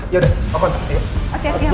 yaudah aku antarin ya